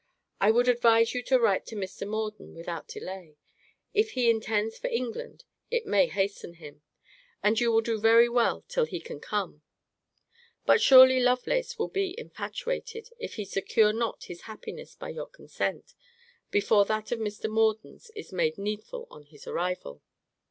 I would advise you to write to Mr. Morden without delay. If he intends for England, it may hasten him. And you will do very well till he can come. But, surely Lovelace will be infatuated, if he secure not his happiness by your consent, before that of Mr. Morden's is made needful on his arrival.